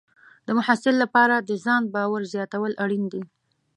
د محصل لپاره د ځان باور زیاتول اړین دي.